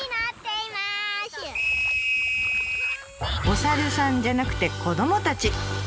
おサルさんじゃなくて子どもたち。